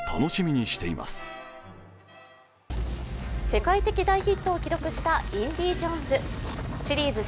世界的大ヒットを記録した「インディ・ジョーンズ」。